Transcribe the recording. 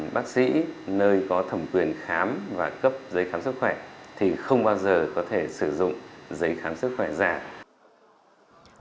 bác sĩ nơi có thẩm quyền khám và cấp giấy khám sức khỏe thì không bao giờ có thể sử dụng giấy khám sức khỏe giả